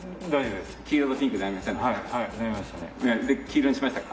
で黄色にしましたか？